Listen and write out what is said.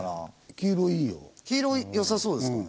黄色良さそうですかね。